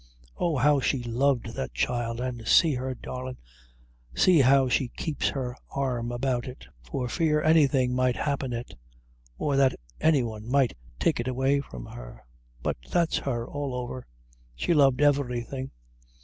Oh, how she loved that child! an' see her darlin' see how she keeps her arm about it, for fear anything! might happen it, or that any one might take it away from her; but that's her, all over she loved everything."